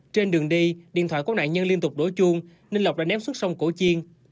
trên đường đi điện thoại của nạn nhân liên tục đổi chuông nên lộc đã ném xuống sông cổ chiên